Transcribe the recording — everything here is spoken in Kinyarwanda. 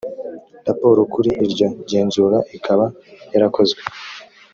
raporo kuri iryo genzura ikaba yarakozwe